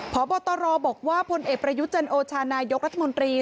ผอบตรบอกว่าผลเอกประยุทธ์จันทร์โอชาญนายกรัฐมนตรี